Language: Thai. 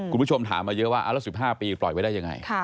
คุณผู้ชมถามมาเยอะว่าแล้ว๑๕ปีปล่อยไว้ได้ยังไง